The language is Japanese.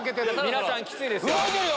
皆さんきついですよ。